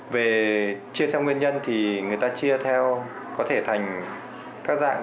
về chia theo nguyên nhân thì người ta chia theo có thể thành các dạng